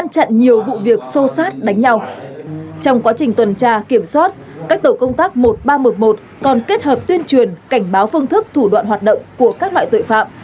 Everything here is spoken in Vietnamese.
các tổ công tác một nghìn ba trăm một mươi một còn kết hợp tuyên truyền cảnh báo phương thức thủ đoạn hoạt động của các loại tội phạm